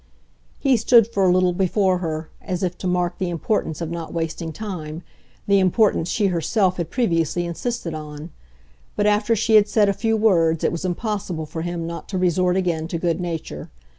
He stood for a little before her, as if to mark the importance of not wasting time, the importance she herself had previously insisted on; but after she had said a few words it was impossible for him not to resort again to good nature.